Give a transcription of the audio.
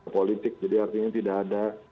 politik jadi artinya tidak ada